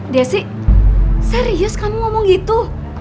desi serius kamu ngomong itu